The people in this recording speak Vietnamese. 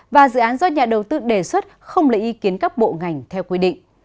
và dự án do nhà đầu tư đề xuất không lấy ý kiến các bộ ngành theo quy định